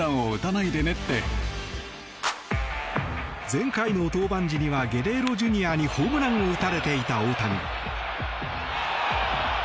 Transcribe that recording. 前回の登板時にはゲレーロＪｒ．にホームランを打たれていた大谷。